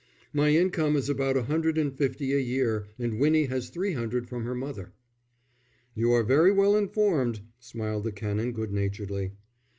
"My income is about a hundred and fifty a year and Winnie has three hundred from her mother." "You are very well informed," smiled the Canon, good naturedly.